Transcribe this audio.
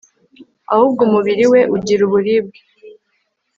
ahubwo umubiri we ugira uburibwe